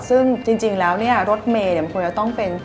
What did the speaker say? ซึ่งจริงแล้วเนี่ยรถเมย์มันควรจะต้องเป็น